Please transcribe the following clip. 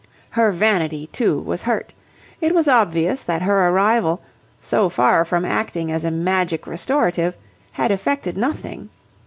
Her vanity, too, was hurt. It was obvious that her arrival, so far from acting as a magic restorative, had effected nothing.